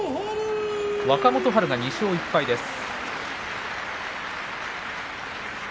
若元春が２勝１敗です。